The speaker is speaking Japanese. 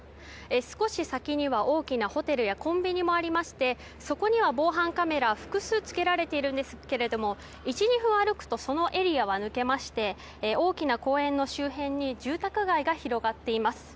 少し先には大きなホテルやコンビニもありましてそこには防犯カメラ、複数つけられているんですが１２分歩くとそのエリアは抜けまして大きな公園の周辺に、住宅街が広がっています。